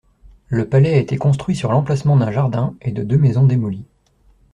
Le palais a été construit sur l'emplacement d'un jardin et de deux maisons démolies.